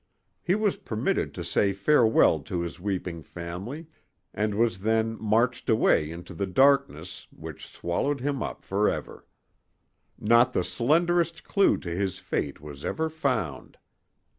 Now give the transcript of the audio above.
He was permitted to say farewell to his weeping family, and was then marched away into the darkness which swallowed him up forever. Not the slenderest clew to his fate was ever found.